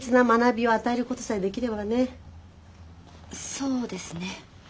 そうですね。